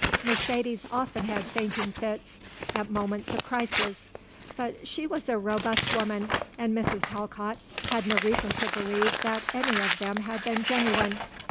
Mercedes often had fainting fits at moments of crisis; but she was a robust woman, and Mrs. Talcott had no reason to believe that any of them had been genuine.